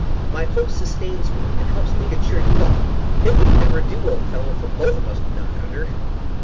My hope sustains me, and helps me to cheer you up. It would never do, old fellow, for both of us to knock under."